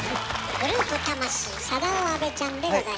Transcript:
グループ魂サダヲ・アベちゃんでございます。